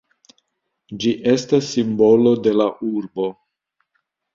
Ĝi estas simbolo de la urbo.